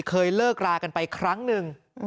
เคยเลิกรากันไปครั้งหนึ่ง